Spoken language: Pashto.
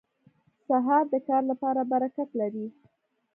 سهار د کار لپاره برکت لري.